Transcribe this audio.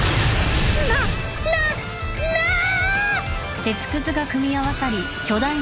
なななあぁ！？